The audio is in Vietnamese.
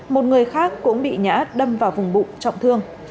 một người khác cũng bị ngã đâm vào vùng bụng trọng thương